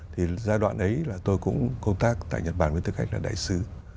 thì giai đoạn ấy là tôi cũng công tác tại nhật bản với tư cách là đại sứ